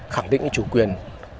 khẳng định chủ quyền